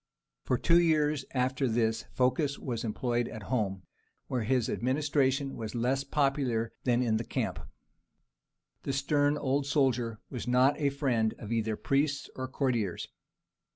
For two years after this Phocas was employed at home, where his administration was less popular than in the camp. The stern old soldier was not a friend of either priests or courtiers.